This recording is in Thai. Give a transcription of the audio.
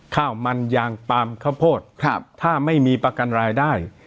ข้าวมันยางปาล์มข้าวโพดถ้าไม่มีประกันรายได้